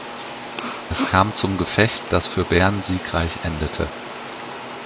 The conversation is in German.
Es kam zum Gefecht das für Bern siegreich endete.